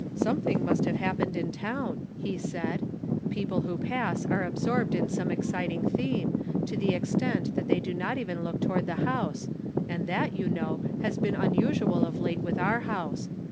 " Something must have happened in town," he said. " People who pass are absorbed in some ex citing theme, to the extent that they do not even look toward the house, and that, you know, has been unusual of late with our house.